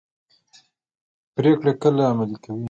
پریکړې کله عملي کیږي؟